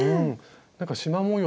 なんかしま模様